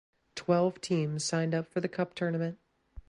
Twelve teams signed up for the Cup tournament.